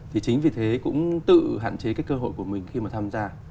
thì chính vì thế cũng tự hạn chế cái cơ hội của mình khi mà tham gia